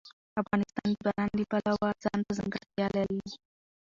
افغانستان د باران د پلوه ځانته ځانګړتیا لري.